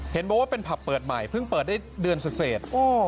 เห็นบอกว่าเป็นผับเปิดใหม่เพิ่งเปิดได้เดือนเสร็จ